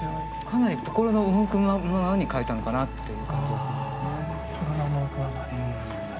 かなり心の赴くままに描いたのかなっていう感じがしますね。